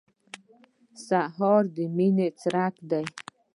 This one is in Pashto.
سهار د مینې څرک دی.